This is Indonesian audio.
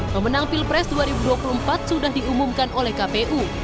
pemenang pilpres dua ribu dua puluh empat sudah diumumkan oleh kpu